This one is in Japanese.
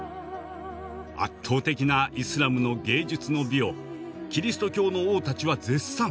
圧倒的なイスラムの芸術の美をキリスト教の王たちは絶賛。